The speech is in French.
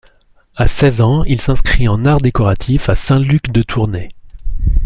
À seize ans, il s’inscrit en arts décoratifs à Saint-Luc de Tournai.